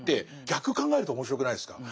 逆考えると面白くないですか？